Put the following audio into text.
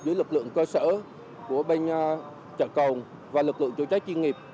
dưới lực lượng cơ sở của bên chợ côn và lực lượng chữa cháy chuyên nghiệp